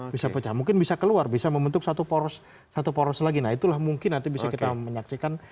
bisa pecah mungkin bisa keluar bisa membentuk satu poros satu poros lagi nah itulah mungkin nanti bisa kita menyaksikan